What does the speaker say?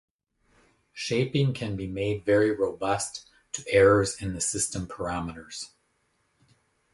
Shaping can be made very robust to errors in the system parameters.